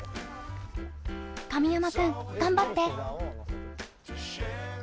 神山君、頑張って。